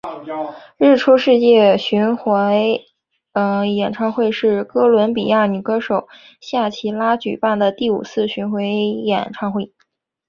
日出世界巡回演唱会是哥伦比亚女歌手夏奇拉举办的第五次巡回演唱会。